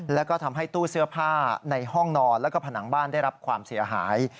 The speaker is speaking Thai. แล้วก็ทำให้ตู้เสื้อผ้าในห้องนอนแล้วก็ผนังบ้านได้รับความเสียหาย